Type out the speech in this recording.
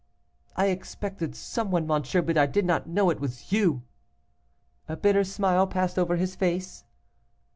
'I expected some one, monsieur, but I did not know it was you.' A bitter smile passed over his face.